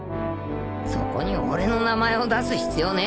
そこに俺の名前を出す必要ねえ